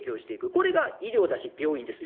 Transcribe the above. これが医療だし、病院です。